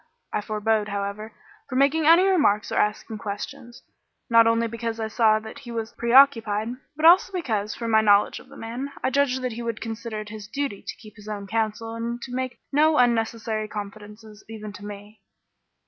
I forbore, however, from making any remarks or asking questions, not only because I saw that he was preoccupied, but also because, from my knowledge of the man, I judged that he would consider it his duty to keep his own counsel and to make no unnecessary confidences even to me.